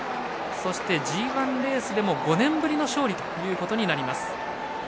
そして、ＧＩレースでも５年ぶりの勝利ということになります。